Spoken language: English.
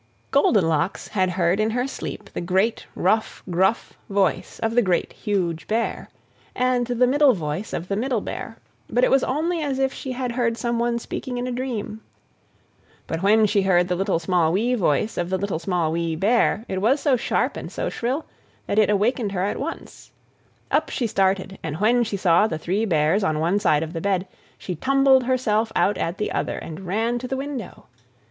Goldenlocks had heard in her sleep the great, rough, gruff voice of the Great, Huge Bear, and the middle voice of the Middle Bear, but it was only as if she had heard someone speaking in a dream. But when she heard the little, small, wee voice of the Little, Small, Wee Bear, it was so sharp, and so shrill, that it awakened her at once. Up she started; and when she saw the Three Bears on one side of the bed she tumbled herself out at the other, and ran to the window.